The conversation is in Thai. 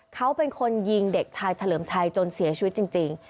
เขาเป็นคนยิงเด็กชายเฉลิมชัยจนเสียชีวิตจริง